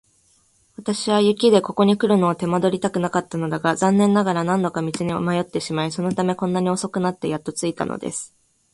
私は雪でここにくるのを手間取りたくなかったのだが、残念ながら何度か道に迷ってしまい、そのためにこんなに遅くなってやっと着いたのです。